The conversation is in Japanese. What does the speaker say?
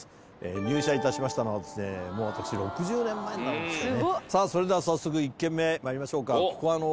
入社いたしましたのは６０年前になるんですよね。